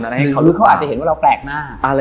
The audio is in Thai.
พี่เต๋อมเห็นว่าเราก็แปลกหน้า